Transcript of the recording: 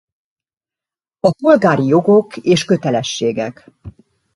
A polgári jogok és kötelességek.